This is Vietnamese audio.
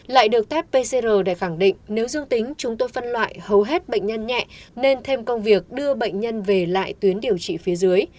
lại được tep pcr để khẳng định nếu dương tính chúng tôi phân loại hầu hết bệnh nhân nhẹ nên thêm công việc đưa bệnh nhân về lại tuyến điều trị phía dưới